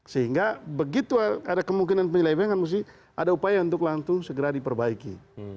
sehingga begitu ada kemungkinan penyelewengan mesti ada upaya untuk langsung segera diperbaiki